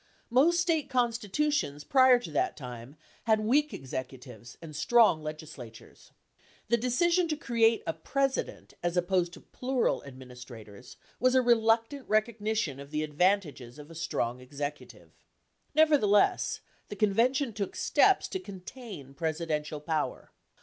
1 Most State constitutions prior to that time had weak executives and strong legislatures. 2 The decision to create a President, as opposed to plural administrators, 3 was a reluctant recognition of the advantages of a strong executive. Nevertheless, the convention took steps to contain presidential power.